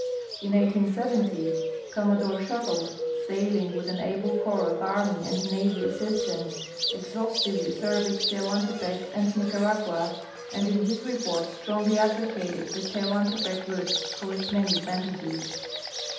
In 1870 Commodore Shufeldt, sailing Avith an able corj)s of army and navy assistants, exhaustively surveyed Te lAuantepec and Nicaragua, and in his report strongly advocated the Tehuantepec route for its many adA'antages.